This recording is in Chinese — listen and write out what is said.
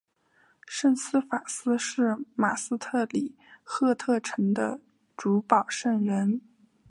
圣瑟法斯是马斯特里赫特城的主保圣人。